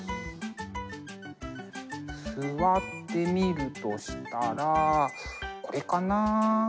座ってみるとしたらこれかな。